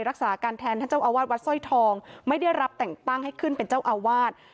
รักษาการแทนท่านเจ้าอาวาสวัดสร้อยทองไม่ได้รับแต่งตั้งให้ขึ้นเป็นเจ้าอาวาส